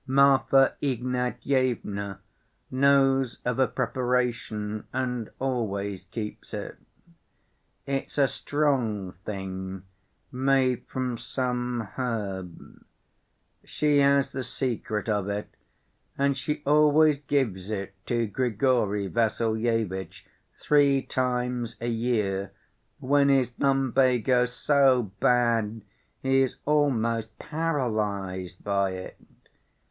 Marfa Ignatyevna knows of a preparation and always keeps it. It's a strong thing made from some herb. She has the secret of it, and she always gives it to Grigory Vassilyevitch three times a year when his lumbago's so bad he is almost paralyzed by it.